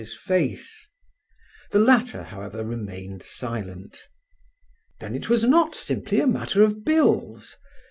's face. The latter, however, remained silent. "Then it was not simply a matter of bills?"